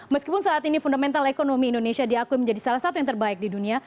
meskipun saat ini fundamental ekonomi indonesia diakui menjadi salah satu yang terbaik di dunia